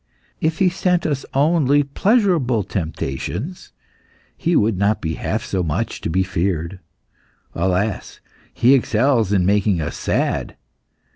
If he sent us only pleasurable temptations, he would not be half so much to be feared. Alas! he excels in making us sad.